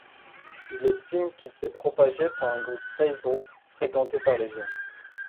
Ils estiment qu'il s'est propagé par un groupe Facegroup fréquenté par les jeunes.